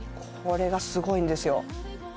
これがすごいんですよ